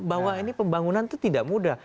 bahwa ini pembangunan itu tidak mudah